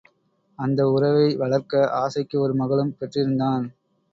அந்த உறவை வளர்க்க ஆசைக்கு ஒரு மகளும் பெற்றிருந்தான்.